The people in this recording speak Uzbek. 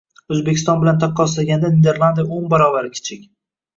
O‘zbekiston bilan taqqoslaganda Niderlandiya o'n barobar kichik.